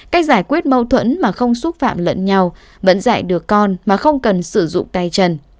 cách giải quyết mâu thuẫn mà không xúc phạm lẫn nhau vẫn dạy được con mà không cần sử dụng tay chân